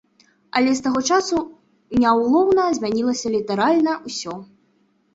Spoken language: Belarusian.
Але з таго часу няўлоўна змянілася літаральна ўсё.